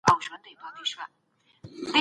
هغه غوښتل چي خلګ خوشحاله وي.